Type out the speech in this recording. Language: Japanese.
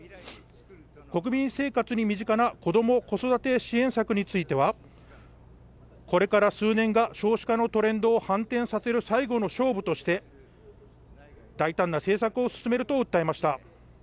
国民生活に身近なこども・子育て支援策については、これから数年が少子化のトレンドを反転させる最後の勝負として大胆な政策を進めると訴えました。